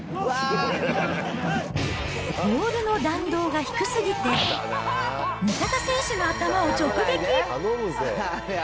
ボールの弾道が低すぎて、味方選手の頭を直撃。